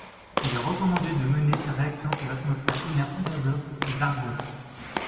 Il est recommandé de mener ces réactions sous atmosphère inerte d'azote ou d'argon.